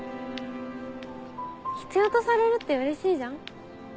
必要とされるってうれしいじゃん。